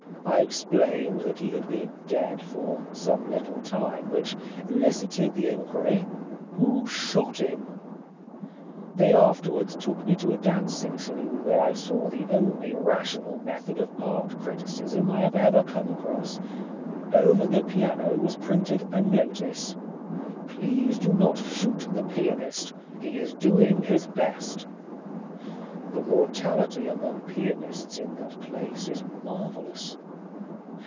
I explained that he had been dead for some little time which elicited the enquiry ŌĆ£Who shot himŌĆØ? They afterwards took me to a dancing saloon where I saw the only rational method of art criticism I have ever come across. Over the piano was printed a notice: ||++| PLEASE DO NOT SHOOT THE || PIANIST. || HE IS DOING HIS BEST. |++|| The mortality among pianists in that place is marvellous.